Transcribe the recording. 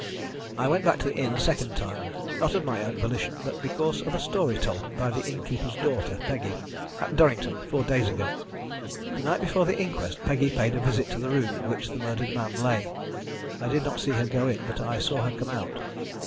"I went back to the inn a second time, not of my own volition, but because of a story told me by the innkeeper's daughter, Peggy, at Durrington four days ago. The night before the inquest Peggy paid a visit to the room in which the murdered man lay. I did not see her go in, but I saw her come out.